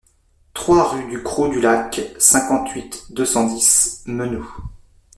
trois rue du Crot du Lac, cinquante-huit, deux cent dix, Menou